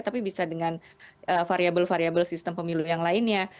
tapi bisa dengan variabel variabel sistem pemilu yang lainnya